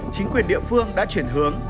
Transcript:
chính quyền địa phương đã chuyển hướng